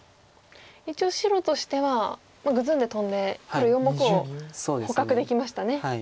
一応白としてはグズんでトンで黒４目を捕獲できましたね。